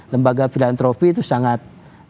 lembaga filantropi itu sangat